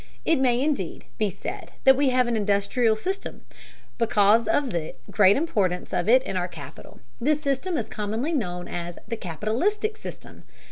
It may, indeed, be said that we have an industrial system. Because of the great importance in it of capital, this system is commonly known as the "capitalistic system."